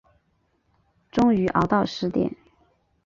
终于熬到十点